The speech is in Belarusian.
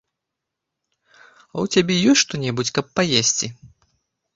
У цябе ёсць што-небудзь, каб паесці?